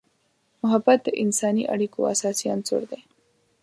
محبت د انسانی اړیکو اساسي عنصر دی.